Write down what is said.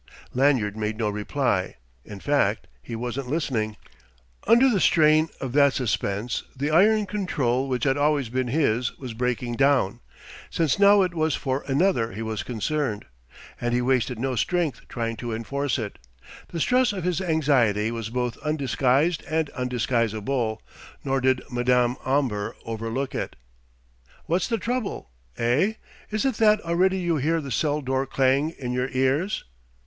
Lanyard made no reply. In fact he wasn't listening. Under the strain of that suspense, the iron control which had always been his was breaking down since now it was for another he was concerned. And he wasted no strength trying to enforce it. The stress of his anxiety was both undisguised and undisguisable. Nor did Madame Omber overlook it. "What's the trouble, eh? Is it that already you hear the cell door clang in your ears?"